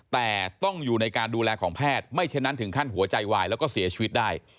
แต่ต้องอยู่ในการดูแลของแพทย์ไม่ฉะนั้นถึงขั้นหัวใจวายแล้วก็เสียชีวิตได้